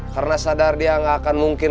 karena sadar dia enggak akan mungkin